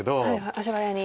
足早に。